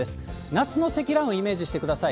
夏の積乱雲イメージしてください。